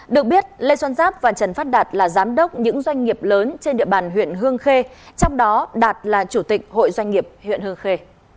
được biết lê xuân giáp và trần phát đạt là giám đốc những doanh nghiệp lớn trên địa bàn huyện hương khê trong đó đạt là chủ tịch hội doanh nghiệp huyện hương khê